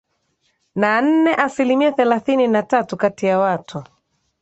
na nne asilimia thelathini na tatu kati ya watu